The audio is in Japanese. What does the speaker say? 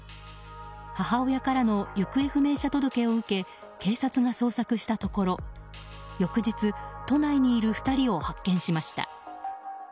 母親からの行方不明者届を受け警察が捜索したところ翌日都内にいる２人を発見しました。